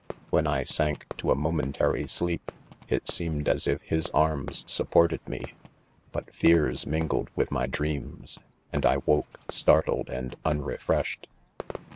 — When I sank to a momentary sleep, it seemed as if his arms supported me ■;— but fears min gled with" my dreams, and I woke, startled and unrefreslied.